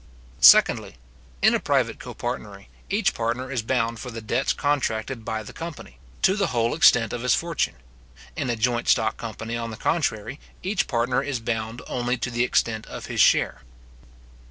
Secondly, In a private copartnery, each partner is bound for the debts contracted by the company, to the whole extent of his fortune. In a joint stock company, on the contrary, each partner is bound only to the extent of his share.